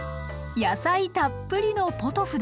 野菜たっぷりのポトフです。